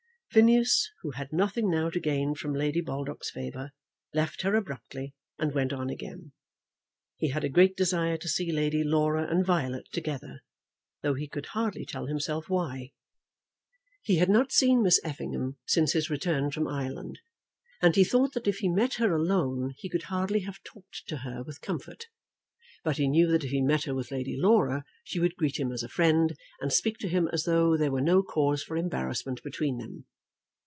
Phineas, who had nothing now to gain from Lady Baldock's favour, left her abruptly, and went on again. He had a great desire to see Lady Laura and Violet together, though he could hardly tell himself why. He had not seen Miss Effingham since his return from Ireland, and he thought that if he met her alone he could hardly have talked to her with comfort; but he knew that if he met her with Lady Laura, she would greet him as a friend, and speak to him as though there were no cause for embarrassment between them.